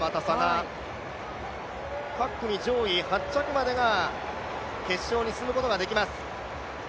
各国上位８着までが決勝に進むことができます。